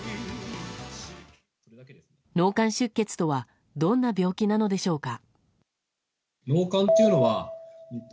脳幹出血とはどんな病気なのでしょうか。